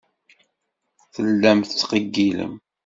Tellamt tettqeyyilem.